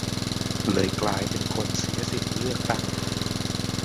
เลยกลายเป็นคนเสียสิทธิเลือกตั้ง